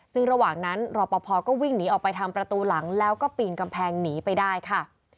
ซึ่งระหว่างนั้นรอปภก็วิ่งหนีออกไปทางประตูหลังแล้วก็ปีนกำแพงหนีไปได้ค่ะ